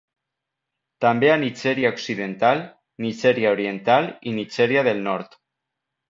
També a Nigèria occidental, Nigèria oriental i Nigèria del nord.